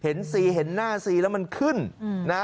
ซีเห็นหน้าซีแล้วมันขึ้นนะ